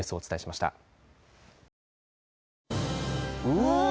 うわ！